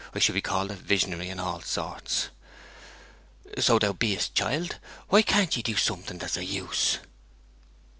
I should be called a visionary, and all sorts.' 'So thou beest, child. Why can't ye do something that's of use?'